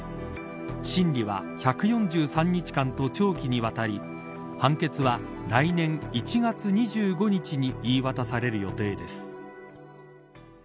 審理は１４３日間と長期にわたり判決は来年１月２５日に言い渡される予定です。